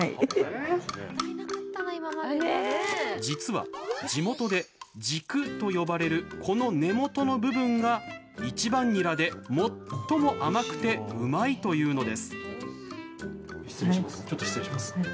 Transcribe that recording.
実は地元で「軸」と呼ばれるこの根元の部分が１番ニラで最も甘くてうまいというのです失礼します。